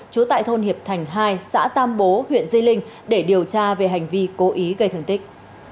trú tại thôn hiệp thành hai xã tam bố huyện di linh để điều tra về hành vi cố ý gây thương tích